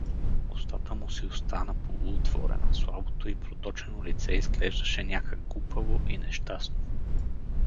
Устата му си остана полуотворена, слабото и проточено лице изглеждаше някак глупаво и нещастно.